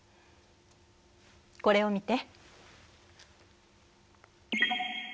これを見て。